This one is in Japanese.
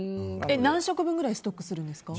何食分ぐらいストックするんですか？